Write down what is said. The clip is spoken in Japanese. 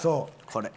これ。